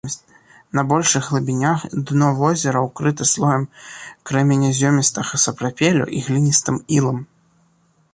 На большых глыбінях дно возера ўкрыта слоем крэменязёмістага сапрапелю і гліністым ілам.